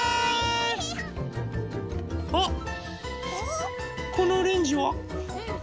あっこのオレンジは？